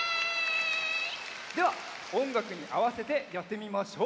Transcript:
ではおんがくにあわせてやってみましょう！